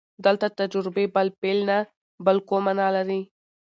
دلته تجربې بالفعل نه، بالقوه مانا لري.